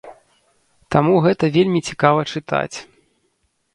Таму гэта вельмі цікава чытаць.